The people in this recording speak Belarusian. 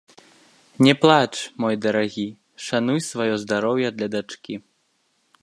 Не плач, мой дарагі, шануй сваё здароўе для дачкі.